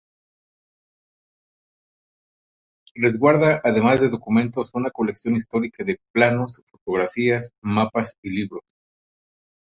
Resguarda además de documentos, una colección histórica de planos, fotografías, mapas y libros.